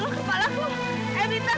kamu harus bertahan pak